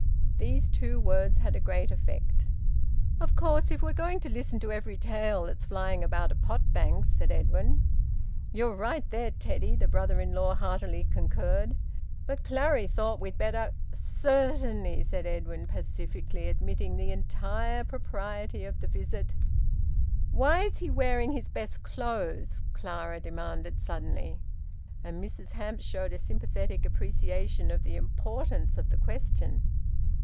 These two words had a great effect. "Of course if we're going to listen to every tale that's flying about a potbank," said Edwin. "You're right there, Teddy!" the brother in law heartily concurred. "But Clary thought we'd better " "Certainly," said Edwin pacifically, admitting the entire propriety of the visit. "Why's he wearing his best clothes?" Clara demanded suddenly. And Mrs Hamps showed a sympathetic appreciation of the importance of the question.